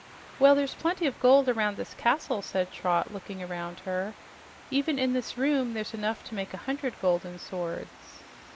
"Well, there's plenty of gold around this castle," said Trot, looking around her. "Even in this room there's enough to make a hundred golden swords."